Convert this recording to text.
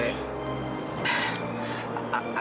ehh betul sa manage ya